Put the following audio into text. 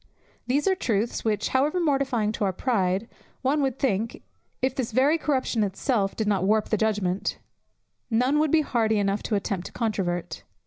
These are truths which, however mortifying to our pride, one would think (if this very corruption itself did not warp the judgment) none would be hardy enough to attempt to controvert.